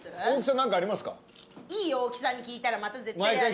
いいよ大木さんに聞いたらまた絶対。